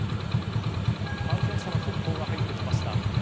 感染者の速報が入ってきました。